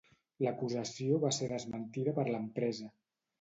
L'acusació va ser desmentida per l'empresa.